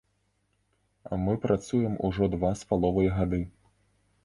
Мы працуем ужо два з паловай гады.